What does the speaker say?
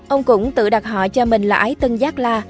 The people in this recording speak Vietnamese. ông cũng tự đặt họ cho mình là ái tân giác la